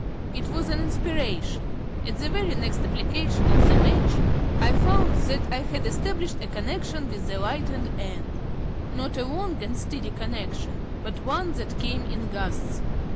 It was an inspiration. At the very next application of the match I found that I had established a connection with the lighted end. Not a long and steady connection, but one that came in gusts.